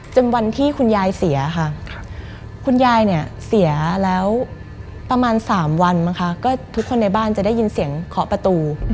วันที่คุณยายเสียค่ะคุณยายเนี่ยเสียแล้วประมาณ๓วันมั้งค่ะก็ทุกคนในบ้านจะได้ยินเสียงเคาะประตู